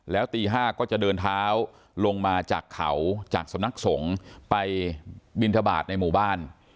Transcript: แล้วตี๕ก็จะเดินเท้าลงมาจากเขาจากสำนักสงฆ์ไปบินทบาทในหมู่บ้าน